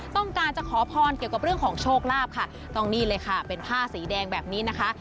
ต้องการจะขอพรเกี่ยวกับเรื่องของโชคลาภค่ะต้องนี่เลยค่ะเป็นผ้าสีแดงแบบนี้นะคะ